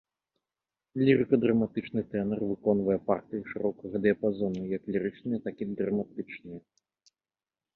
Лірыка-драматычны тэнар выконвае партыі шырокага дыяпазону як лірычныя, так і драматычныя.